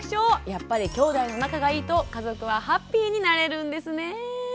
やっぱりきょうだいの仲がいいと家族はハッピーになれるんですねえ。